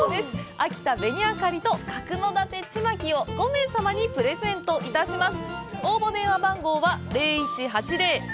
秋田紅あかりと角館ちまきをセットにして５名様にプレゼントいたします。